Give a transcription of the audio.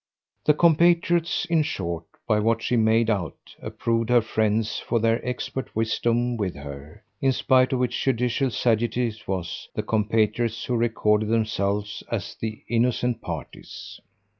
The compatriots, in short, by what she made out, approved her friends for their expert wisdom with her; in spite of which judicial sagacity it was the compatriots who recorded themselves as the innocent parties.